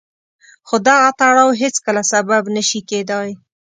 خو دغه تړاو هېڅکله سبب نه شي کېدای.